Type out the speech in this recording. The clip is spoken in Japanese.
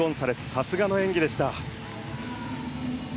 さすがの演技でした。